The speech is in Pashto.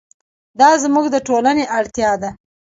دا زموږ د ټولنې اړتیا ده.